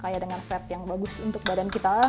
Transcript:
kayak dengan fat yang bagus untuk badan kita